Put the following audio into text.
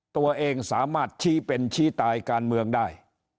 ตัวเองสามารถชี้เป็นชี้ตายการเมืองได้